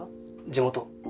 地元。